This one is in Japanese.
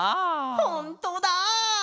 ほんとだ！